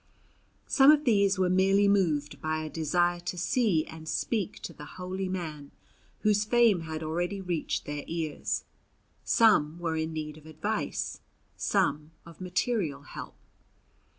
Some of these were merely moved by a desire to see and speak to the holy man whose fame had already reached their ears. Some were in need of advice, some of material help.